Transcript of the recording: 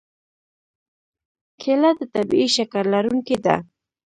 کېله د طبیعي شکر لرونکې ده.